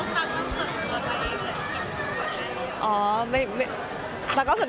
ก็คือพี่ที่อยู่เชียงใหม่พี่อธค่ะ